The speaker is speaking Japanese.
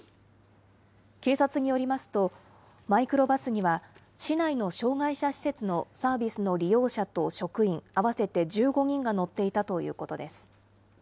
警察によりますと、マイクロバスには、市内の障害者施設のサービスの利用者と職員、合わせて１５人が乗っていたということです。